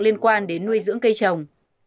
liên quan đến nuôi dưỡng cây trồng